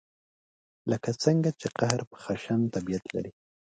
لکه څنګه چې قهر پر خشن طبعیت لري.